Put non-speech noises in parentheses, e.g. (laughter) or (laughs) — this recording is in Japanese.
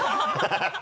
ハハハ (laughs)